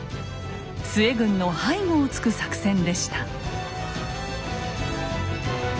陶軍の背後をつく作戦でした。